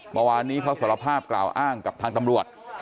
เมื่อวานนี้เขาสารภาพกล่าวอ้างกับทางตำรวจ